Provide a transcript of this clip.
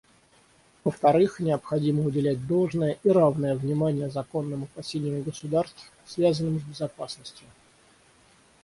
Во-вторых, необходимо уделять должное, и равное, внимание законным опасениям государств, связанным с безопасностью.